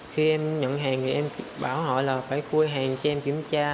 khi em nhận hàng thì em bảo họ là phải cua hàng cho em kiểm tra